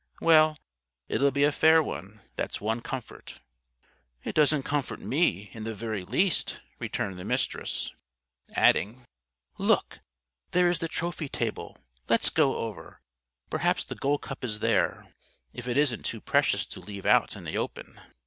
Well, it'll be a fair one. That's one comfort." "It doesn't comfort me, in the very least," returned the Mistress, adding: "Look! There is the trophy table. Let's go over. Perhaps the Gold Cup is there. If it isn't too precious to leave out in the open."